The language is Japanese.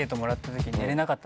寝れなかった？